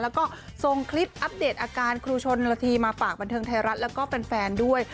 แล้วก็ส่งคลิปอัปเดตอาการครูชนละทีมาฝากบันเทิงไทยรัฐแล้วก็แฟนด้วย